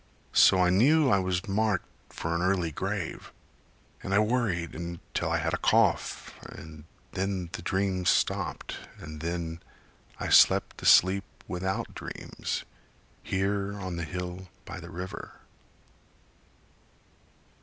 So I knew I was marked for an early grave. And I worried until I had a cough And then the dreams stopped. And then I slept the sleep without dreams Here on the hill by the river.